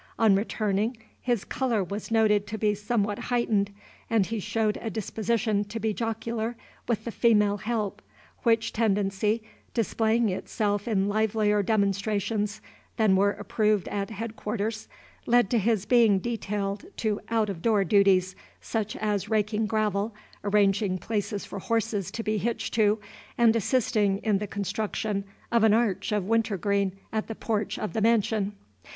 On returning, his color was noted to be somewhat heightened, and he showed a disposition to be jocular with the female help, which tendency, displaying itself in livelier demonstrations than were approved at head quarters, led to his being detailed to out of door duties, such as raking gravel, arranging places for horses to be hitched to, and assisting in the construction of an arch of wintergreen at the porch of the mansion.